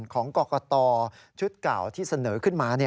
ของกรกตชุดเก่าที่เสนอขึ้นมา